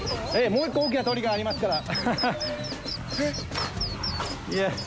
もう一個大きな通りがありますから。